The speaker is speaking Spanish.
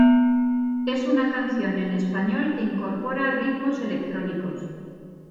Es una canción en español que incorpora ritmos electrónicos.